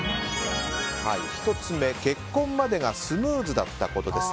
１つ目、結婚までがスムーズだったことです。